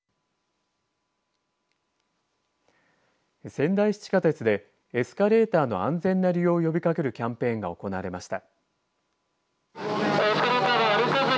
仙台市地下鉄でエスカレーターの安全な利用を呼びかけるキャンペーンが行われました。